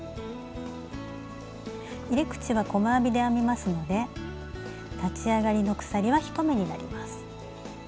入れ口は細編みで編みますので立ち上がりの鎖は１目になります。